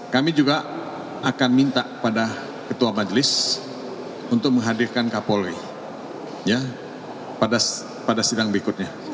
kami juga akan minta pada ketua majelis untuk menghadirkan kapolri pada sidang berikutnya